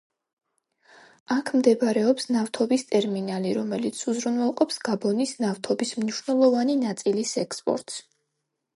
აქ მდებარეობს ნავთობის ტერმინალი, რომელიც უზრუნველყოფს გაბონის ნავთობის მნიშვნელოვანი ნაწილის ექსპორტს.